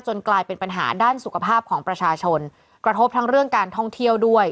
กลายเป็นปัญหาด้านสุขภาพของประชาชนกระทบทั้งเรื่องการท่องเที่ยวด้วย